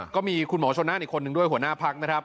ก็มีคุณหมอชนนั่นอีกคนนึงด้วยหัวหน้าพักนะครับ